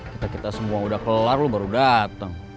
kita kita semua udah kelar lu baru dateng